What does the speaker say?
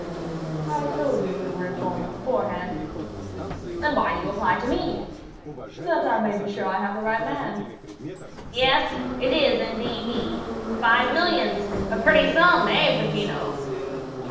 "I told you we were informed beforehand." "Then why do you apply to me?" "That I may be sure I have the right man." "Yes, it is indeed he. Five millions—a pretty sum, eh, Peppino?"